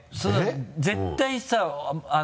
絶対にさ。